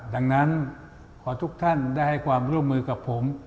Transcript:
ดังนั้นขอทุกท่านได้ให้ความร่วมมือกับผม